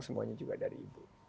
semuanya juga dari ibu